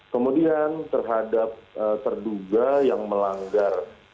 kemudian terhadap terduga yang melanggar